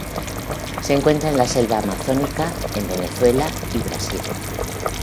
Se encuentra en la selva amazónica, en Venezuela y Brasil.